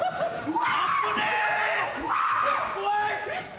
うわ！